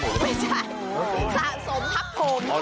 ไม่ใช่สะสมทับผม